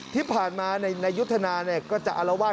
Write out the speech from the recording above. ที่ผ่านมานายุทธนาก็จะอารวาส